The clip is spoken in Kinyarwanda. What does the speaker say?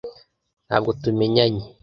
Ntabwo tumenyanye.